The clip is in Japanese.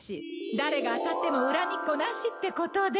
誰が当たっても恨みっこなしってことで。